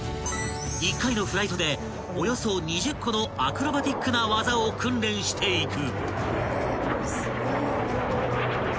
［１回のフライトでおよそ２０個のアクロバティックな技を訓練していく］